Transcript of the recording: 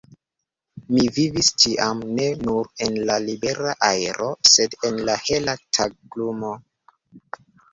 Mi vivis ĉiam ne nur en la libera aero, sed en la hela taglumo.